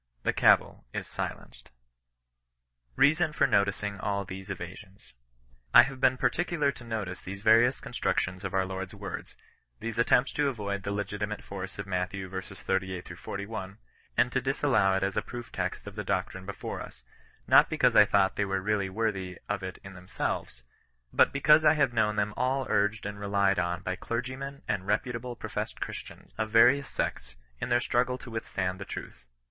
The cavil is sUenced. BEASON FOB NOTICING ALL THESE EVASIONS. I have been particular to notice these various con structions of our Lord's words, these attempts to avoid the legitimate force of Matt. v. 38—41, and to disallow it as a proof text of the doctrine before us ; not because I thought them really worthy of it in themselves ; but be cause I have known them all urged and relied on by clergymen and reputable professed Christians, of various sects, in their struggle to withstand the truth.